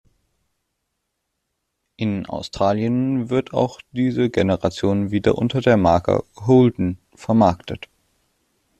In Australien wird auch diese Generation wieder unter der Marke Holden vermarktet.